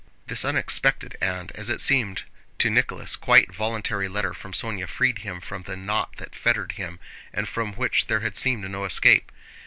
This unexpected and, as it seemed to Nicholas, quite voluntary letter from Sónya freed him from the knot that fettered him and from which there had seemed no escape.